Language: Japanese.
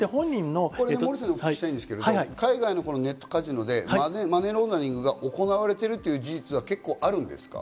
モーリーさんに聞きたいんですけど、海外のネットカジノでマネーロンダリングが行われているという事実は結構あるんですか？